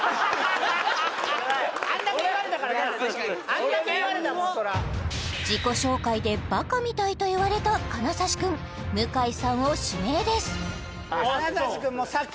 あんだけ言われたもんそら自己紹介で「バカみたい」と言われた金指くん向井さんを指名です